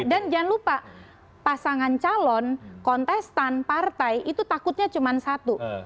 dan jangan lupa pasangan calon kontestan partai itu takutnya cuma satu